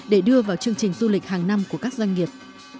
để đưa vào chương trình du lịch hàng năm của các doanh nghiệp